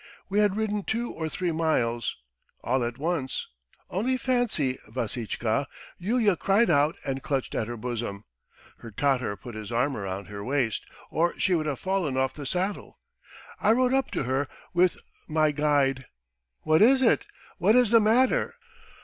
We had ridden two or three miles, all at once, only fancy, Vassitchka, Yulia cried out and clutched at her bosom. Her Tatar put his arm round her waist or she would have fallen off the saddle. ... I rode up to her with my guide. ... 'What is it? What is the matter?'